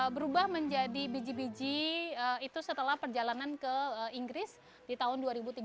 berubah menjadi biji biji itu setelah perjalanan ke inggris di tahun dua ribu tiga belas